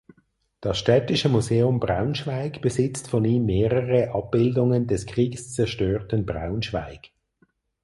Das Städtische Museum Braunschweig besitzt von ihm mehrere Abbildungen des kriegszerstörten Braunschweig.